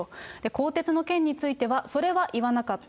更迭の件については、それは言わなかった。